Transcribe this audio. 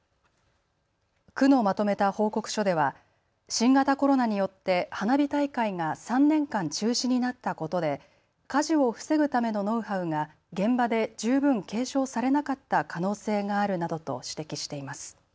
区のまとめた報告書では新型コロナによって花火大会が３年間中止になったことで火事を防ぐためのノウハウが現場で十分継承されなかった可能性があるなどと指摘しています。